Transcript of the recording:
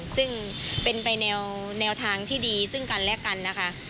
ซึ่งเป็นไปแนวทางที่ดีซึ่งกันและกันนะคะ